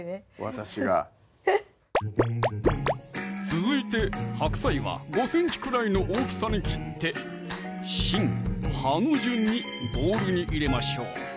私が続いて白菜は５ｃｍくらいの大きさに切って芯・葉の順にボウルに入れましょう！